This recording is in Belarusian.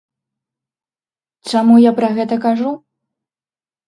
Чаму я пра гэта кажу?